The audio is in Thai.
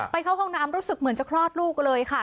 เข้าห้องน้ำรู้สึกเหมือนจะคลอดลูกเลยค่ะ